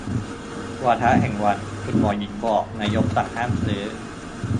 วาทะแห่งวัน คุณหมอหญิงบอก นายกสั่งห้ามซื้อ